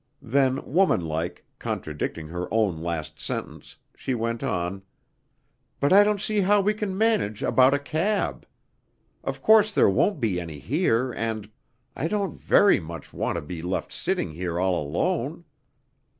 Then, womanlike, contradicting her own last sentence, she went on, "But I don't see how we can manage about a cab. Of course there won't be any here, and I don't very much want to be left sitting here all alone."